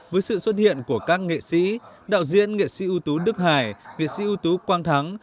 với sự xuất hiện của các nghệ sĩ đạo diễn nghệ sĩ ưu tú đức hải viện sĩ ưu tú quang thắng